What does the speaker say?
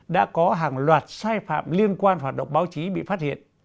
đã có hàng loạt sai phạm liên quan hoạt động báo chí bị phát hiện